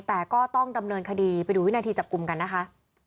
แต่ก็ต้องดำเนินคดีไปดูวินาทีจับกลุ่มกันนะคะ